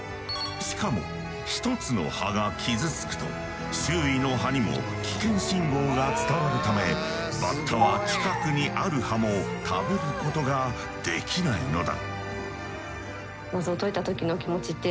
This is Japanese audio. しかも１つの葉が傷つくと周囲の葉にも危険信号が伝わるためバッタは近くにある葉も食べることができないのだ。